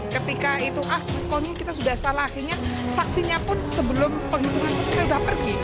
ketika itu ah quick count kita sudah salah akhirnya saksinya pun sebelum penghitungan kita sudah pergi